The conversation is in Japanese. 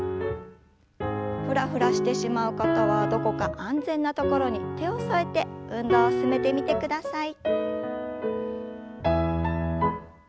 ふらふらしてしまう方はどこか安全な所に手を添えて運動を進めてみてください。